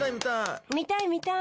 見たい見たい。